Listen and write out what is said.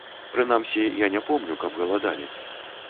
Прынамсі, я не помню, каб галадалі.